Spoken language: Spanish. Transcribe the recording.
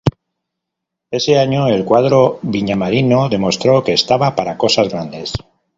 Ese año el cuadro viñamarino demostró que estaba para cosas grandes.